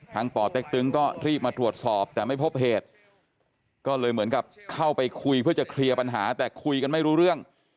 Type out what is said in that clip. ป่อเต็กตึงก็รีบมาตรวจสอบแต่ไม่พบเหตุก็เลยเหมือนกับเข้าไปคุยเพื่อจะเคลียร์ปัญหาแต่คุยกันไม่รู้เรื่อง